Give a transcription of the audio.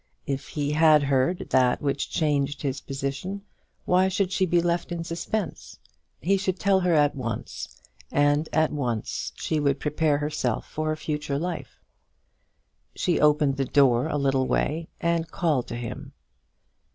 If he had heard that which changed his purpose, why should she be left in suspense? He should tell her at once, and at once she would prepare herself for her future life. So she opened the door a little way, and called to him.